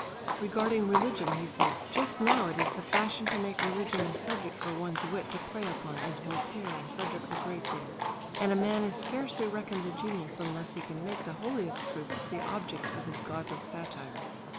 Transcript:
Regarding religion he said, "Just now it is the fashion to make religion a subject for one's wit to play upon as Voltaire and Frederick the Great did, and a man is scarcely reckoned a genius unless he can make the holiest truths the object of his godless satire...."